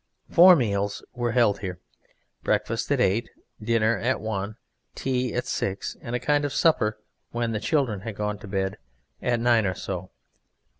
Four meals were held here. Breakfast at eight, dinner at one, tea at six, and a kind of supper (when the children had gone to bed) at nine or so.